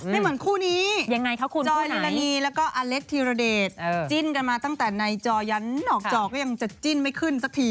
ไม่เหมือนคู่นี้ยังไงคะคุณจอยลีลานีแล้วก็อเล็กธีรเดชจิ้นกันมาตั้งแต่ในจอยันนอกจอก็ยังจะจิ้นไม่ขึ้นสักที